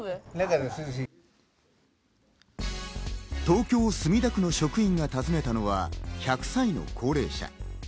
東京・墨田区の職員が訪ねたのは、１００歳の高齢者。